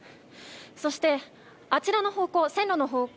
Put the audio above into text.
そして、あちらの方向線路の方向